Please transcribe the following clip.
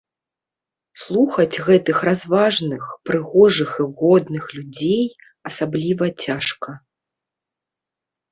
Слухаць гэтых разважных, прыгожых і годных людзей асабліва цяжка.